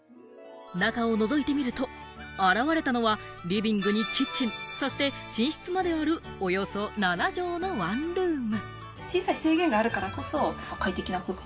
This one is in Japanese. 中をのぞいてみると、現れたのはリビングにキッチン、そして寝室まである、およそ７帖のワンルーム。